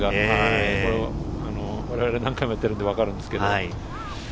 我々は何回もやっているんで分かるんですけど。